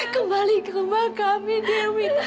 kembali ke rumah kami dewit